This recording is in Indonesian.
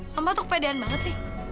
hamba tuh kepedean banget sih